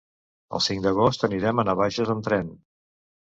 El cinc d'agost anirem a Navaixes amb tren.